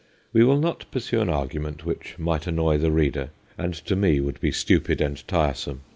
We will not pursue an argu ment which might annoy the reader, and to me would be stupid and tiresome.